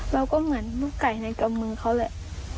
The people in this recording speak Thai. เราก็เหมือนลูกไก่ในกำมือเขาแหละ